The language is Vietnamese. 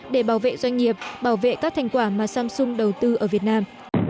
để bảo vệ doanh nghiệp bảo vệ các thành quả mà samsung đầu tư ở việt nam